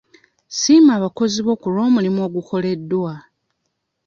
Siima abakozi bo ku lw'omulimu ogukoleddwa.